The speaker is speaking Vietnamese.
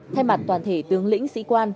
thay mặt toàn thể tướng lĩnh sĩ quan